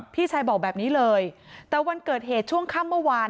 พี่ชายบอกแบบนี้เลยแต่วันเกิดเหตุช่วงค่ำเมื่อวาน